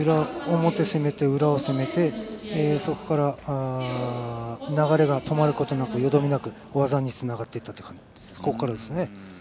表攻めて裏を攻めてそこから流れが止まることなくよどみなく技につながっていった感じです。